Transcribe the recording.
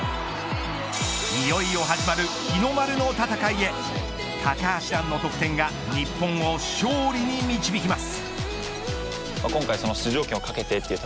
いよいよ始まる日の丸の戦いへ高橋藍の得点が日本を勝利に導きます。